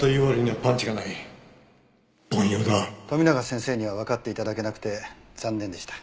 富永先生にはわかって頂けなくて残念でした。